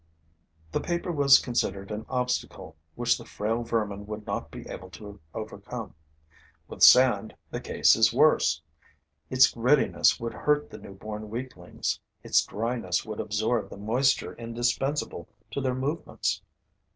The paper was considered an obstacle which the frail vermin would not be able to overcome. With sand, the case is worse. Its grittiness would hurt the newborn weaklings, its dryness would absorb the moisture indispensable to their movements.